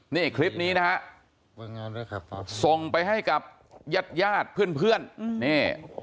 นี่คลิปนี้นะฮะส่งไปให้กับญาติญาติเพื่อนนี่